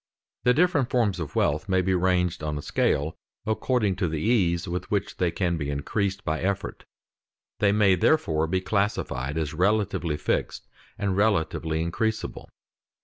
The different forms of wealth may be ranged on a scale according to the ease with which they can be increased by effort. They may therefore be classed as relatively fixed and relatively increasable.